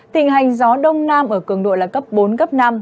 tình hành gió đông nam ở cường độ là cấp bốn năm